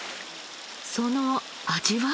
その味は？